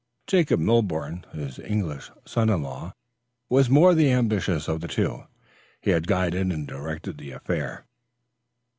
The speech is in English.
Jacob Milborne, his English son in law, was the more ambitious of the two, and had guided and directed the affair.